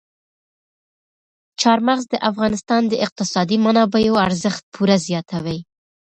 چار مغز د افغانستان د اقتصادي منابعو ارزښت پوره زیاتوي.